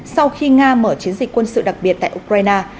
sau khi nga mở chiến dịch quân sự đặc biệt tại ukraine